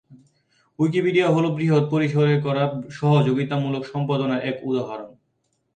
Wikipedia হল বৃহৎ পরিসরে করা সহযোগিতামূলক সম্পাদনার এক উদাহরণ।